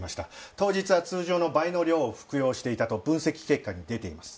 当日は通常の倍の量を服用していたと分析結果に出ています。